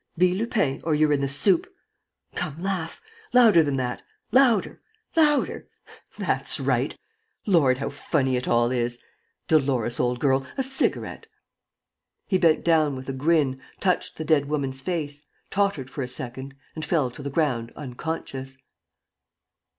Be Lupin, or you're in the soup. ... Come, laugh! Louder than that, louder, louder! That's right! ... Lord, how funny it all is! Dolores, old girl, a cigarette!" He bent down with a grin, touched the dead woman's face, tottered for a second and fell to the ground unconscious.